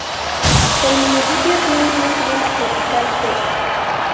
El municipio tiene un clima tropical seco.